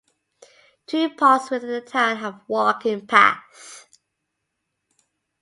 Two parks within the town have walking paths.